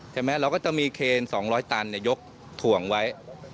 เราก็จะมีเคน๒๐๐ตันยกถ่วงไว้